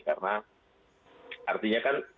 karena artinya kan